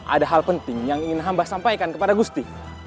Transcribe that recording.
ada hal penting yang ingin hamba sampaikan kepada gusti